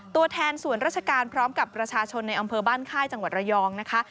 ตัวแทนส่วนราชการพร้อมกับประชาชนในอำเภอบ้านค่ายจังหวัดระยองนะคะ